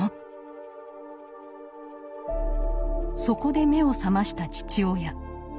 そこで目を覚ました父親。